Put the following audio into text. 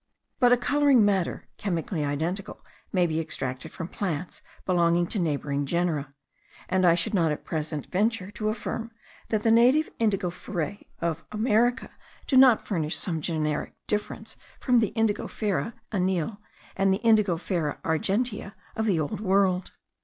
But a colouring matter, chemically identical, may be extracted from plants belonging to neighbouring genera; and I should not at present venture to affirm that the native indigoferae of America do not furnish some generic difference from the Indigofera anil, and the Indigofera argentea of the Old World.